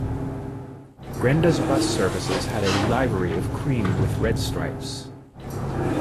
Grenda's Bus Services had a livery of cream with red stripes.